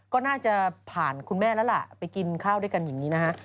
ก็น่าจะผ่านคุณแม่แล้วล่ะไปกินข้าวด้วยกันอย่างนี้นะฮะ